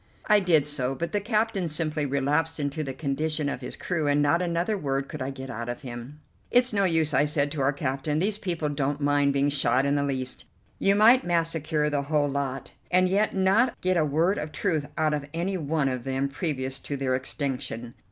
I did so, but the captain simply relapsed into the condition of his crew, and not another word could I get out of him. "It's no use," I said to our captain, "these people don't mind being shot in the least. You might massacre the whole lot, and yet not get a word of truth out of any one of them previous to their extinction.